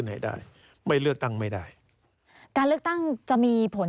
จะไม่ได้มาในสมัยการเลือกตั้งครั้งนี้แน่